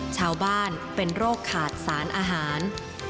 ชาวบ้านเป็นโรคขาดสารอาหาร